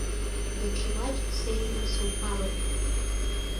Даҽа маҷк сеиӷьны субароуп.